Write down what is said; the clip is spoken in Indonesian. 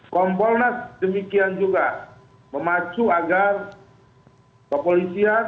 kompolnas ham menyampaikan sisi sisi asli ada lpsk siapapun nanti dari saksi dan korban yang meminta perlindungan